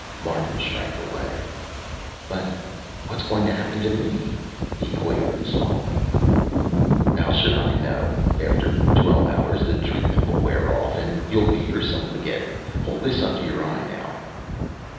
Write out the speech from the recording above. Martin shrank away. "But what's going to happen to me?" he quavered, swallowing. "How should I know? After twelve hours, the treatment will wear off, and you'll be yourself again. Hold this up to your eye, now."